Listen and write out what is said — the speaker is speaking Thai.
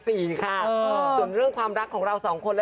ส่วนเรื่องความรักของเราสองคน